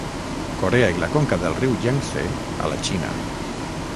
Corea i la conca del riu Iang-Tsé a la Xina.